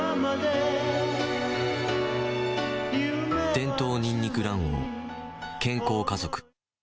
伝統にんにく卵黄、健康家族。